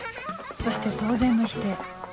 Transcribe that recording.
そして当然の否定